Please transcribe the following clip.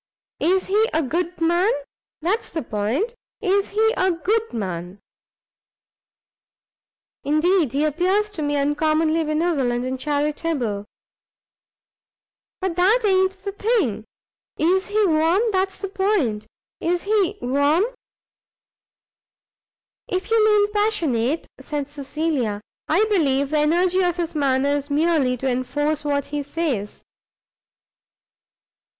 "Is he a good man? that's the point, is he a good man?" "Indeed he appears to me uncommonly benevolent and charitable." "But that i'n't the thing; is he warm? that's the point, is he warm?" "If you mean passionate," said Cecilia, "I believe the energy of his manner is merely to enforce what he says."